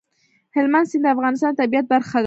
هلمند سیند د افغانستان د طبیعت برخه ده.